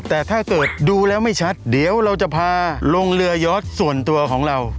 แต่ถ้าเกิดดูแล้วไม่ชัดเดี๋ยวเราจะพาลงเรือยอดส่วนตัวของเรา